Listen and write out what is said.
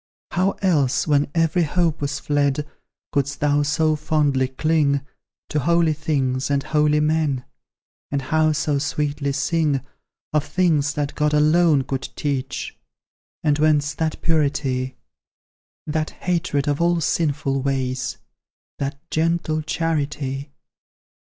How else, when every hope was fled, Couldst thou so fondly cling To holy things and help men? And how so sweetly sing, Of things that God alone could teach? And whence that purity, That hatred of all sinful ways That gentle charity?